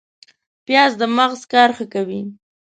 پیاز د مغز کار ښه کوي